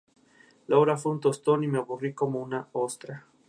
La obra fue un tostón y me aburrí como una ostra